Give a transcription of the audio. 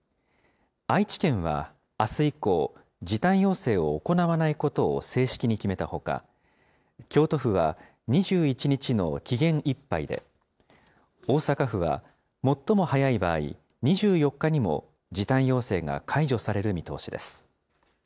愛知県はあす以降、時短要請を行わないことを正式に決めたほか、京都府は２１日の期限いっぱいで、大阪府は最も早い場合、２４日にも時短要請が解除される見通しです。